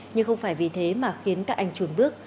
nhưng không phải vì thế mà khiến các anh chuồn bước